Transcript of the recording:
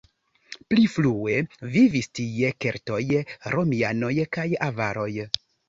Pli frue vivis tie keltoj, romianoj kaj avaroj.